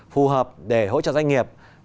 phù hợp để hỗ trợ doanh nghiệp